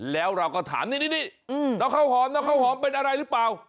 แล้วเราก็ถามนิดน้องเขาหอมเป็นอะไรหรือเปล่า